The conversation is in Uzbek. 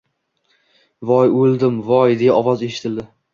— Voy, o‘ldim, voy! — deya ovoz eshitildi.